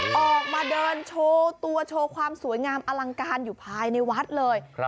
ออกมาเดินโชว์ตัวโชว์ความสวยงามอลังการอยู่ภายในวัดเลย